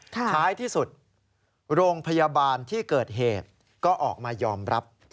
ท้ายที่สุดโรงพยาบาลที่เกิดเหตุก็ออกมายอมรับ